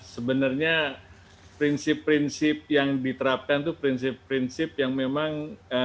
sebenarnya prinsip prinsip yang diterapkan itu prinsip prinsip yang memang